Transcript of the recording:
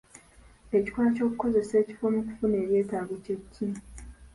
Ekikolwa ky'okukozesa ekifo mu kufuna eby'etaago kye ki?